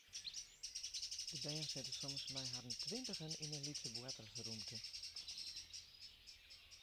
De bern sitte soms mei harren tweintigen yn in lytse boartersrûmte.